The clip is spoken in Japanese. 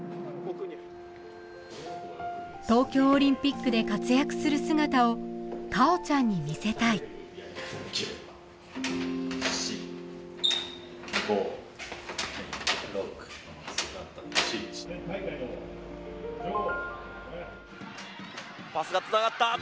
東京オリンピックで活躍する姿を果緒ちゃんに見せたい４５６７